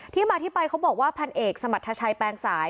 ที่มาที่ไปเขาบอกว่าพันเอกสมรรถชัยแปลงสาย